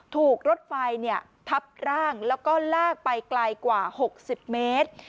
ถูกรถไฟทับร่างแล้วก็ลากไปไกลกว่า๖๐เมตร